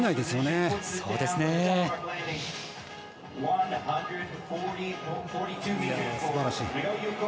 すばらしい。